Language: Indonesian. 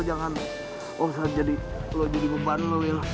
jangan lo jadi ngeban lo weel